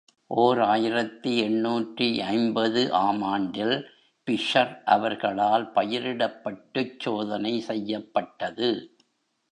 ஓர் ஆயிரத்து எண்ணூற்று ஐம்பது ஆம் ஆண்டில் பிஷர் அவர்களால் பயிரிடப்பட்டுச் சோதனை செய்யப்பட்டது.